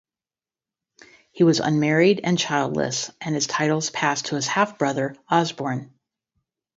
He was unmarried and childless and his titles passed to his half-brother, Osborne.